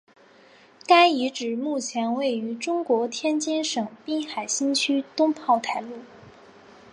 该遗址目前位于中国天津市滨海新区东炮台路。